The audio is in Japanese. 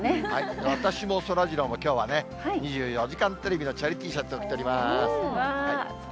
私もそらジローも、きょうはね、２４時間テレビのチャリティーシャツを着ています。